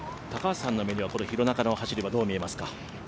高橋さんの目には、廣中の走りはどう見えますか？